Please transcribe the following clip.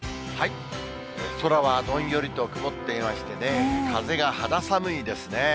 空はどんよりと曇っていましてね、風が肌寒いですね。